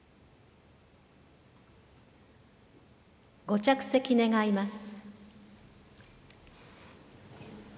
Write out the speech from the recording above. ご着席願います。